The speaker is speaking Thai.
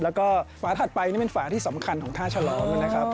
แล้วก็ฝาถัดไปนี่เป็นฝาที่สำคัญของท่าฉลอมนะครับ